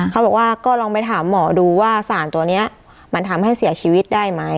เขาบอกว่าก็ลองไปถามหมอดูว่าสารตัวนี้มันทำให้เสียชีวิตได้ไหม